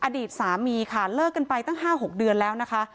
อดีตสามีค่ะเลิกกันไปตั้ง๕๖เดือนแล้วนะคะ